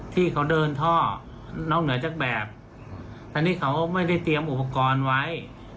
ที่เขาเดินท่อนอกเหนือจากแบบตอนนี้เขาไม่ได้เตรียมอุปกรณ์ไว้